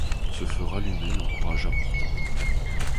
Ce feu rallumé l'encouragea pourtant.